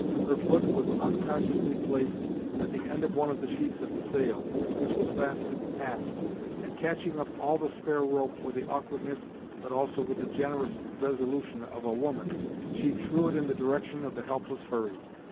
Her foot was unconsciously placed on the end of one of the sheets of the sail, which was fastened aft, and catching up all the spare rope with the awkwardness, but also with the generous resolution of a woman, she threw it in the direction of the helpless Hurry.